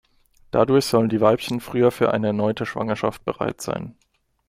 Dadurch sollen die Weibchen früher für eine erneute Schwangerschaft bereit sein.